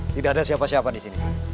tidak ada siapa siapa di sini